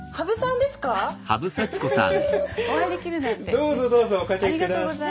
どうぞどうぞお掛け下さい。